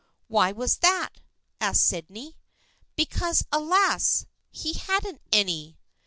" Why was that? " asked Sydney. " Because, alas ! he hadn't any."